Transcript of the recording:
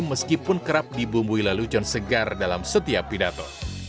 meskipun kerap dibumbui lalu con segar dalam setiap pidato